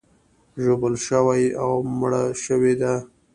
ژوبل شوي او مړه شوي دي.